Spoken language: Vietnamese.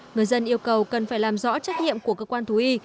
người dân yêu cầu cần phải làm rõ trách nhiệm của cơ quan thú y